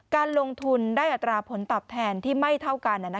การลงทุนได้อัตราผลตอบแทนที่ไม่เท่ากัน